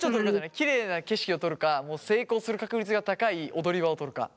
きれいな景色を取るか成功する確率が高い踊り場を取るか。